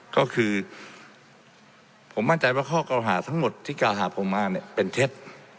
ก็คือผมมั่นใจว่าข้อเก่าหาทั้งหมดที่กล่าวหาผมมาเนี่ยเป็นเท็จ